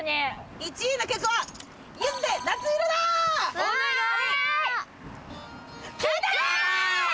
１位の曲は、きた！